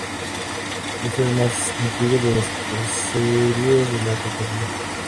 Es el más antiguo de los caseríos de la campiña.